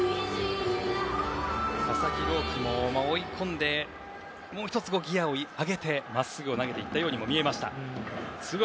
佐々木朗希も追い込んでもう１つ、ギアを上げてまっすぐを投げたように見えました。